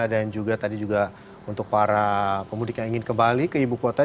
dan juga tadi juga untuk para pemudik yang ingin kembali ke ibu kota